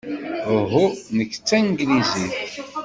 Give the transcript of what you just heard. Uhu, nekk d tanglizit.